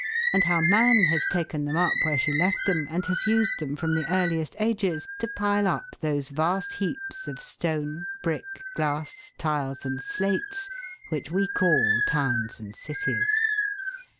and how man has taken them up where she left them and has used them from the earliest ages to pile up those vast heaps of stone, brick, glass, tiles, and slates, which we call towns and cities.